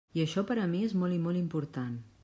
I això per a mi és molt i molt important.